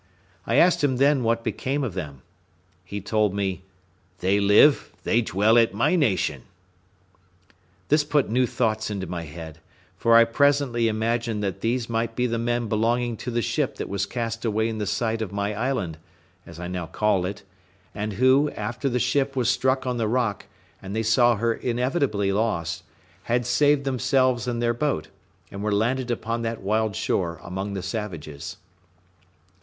I asked him then what became of them. He told me, "They live, they dwell at my nation." This put new thoughts into my head; for I presently imagined that these might be the men belonging to the ship that was cast away in the sight of my island, as I now called it; and who, after the ship was struck on the rock, and they saw her inevitably lost, had saved themselves in their boat, and were landed upon that wild shore among the savages.